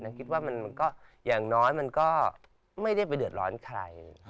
คิดว่ามันก็อย่างน้อยมันก็ไม่ได้ไปเดือดร้อนใคร